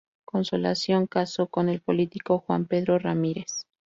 Consolación casó con el político Juan Pedro Ramírez.